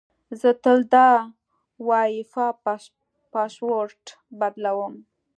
زه تل د وای فای پاسورډ بدلوم.